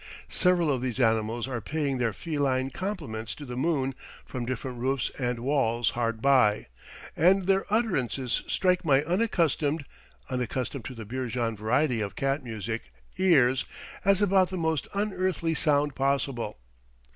Several of these animals are paying their feline compliments to the moon from different roofs and walls hard by, and their utterances strike my unaccustomed (unaccustomed to the Beerjand variety of cat music) ears as about the most unearthly sound possible.